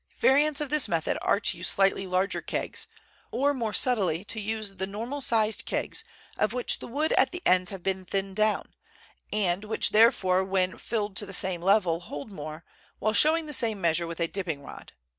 Variants of this method are to use slightly larger kegs, or, more subtly, to use the normal sized kegs of which the wood at the ends has been thinned down, and which therefore when filled to the same level hold more, while showing the same measure with a dipping rod.